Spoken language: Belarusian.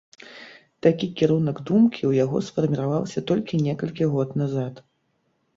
Такі кірунак думкі ў яго сфармаваўся толькі некалькі год назад.